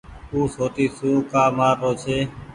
او سوٽي سون ڪآ مآر رو ڇي۔